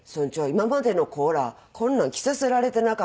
今までの子らこんなん着させられてなかった。